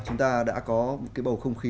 chúng ta đã có cái bầu không khí